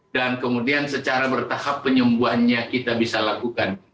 kemudian secara bertahap penyembuhannya kita bisa lakukan